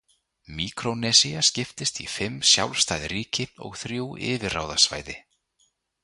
Míkrónesía skiptist í fimm sjálfstæð ríki og þrjú yfirráðasvæði.